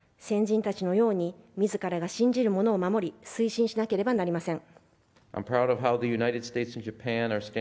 我々の世代もまた先人たちのようにみずからが信じるものを守り推進しなければなりません。